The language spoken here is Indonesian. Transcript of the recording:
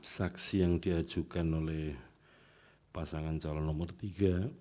saksi yang diajukan oleh pasangan calon nomor tiga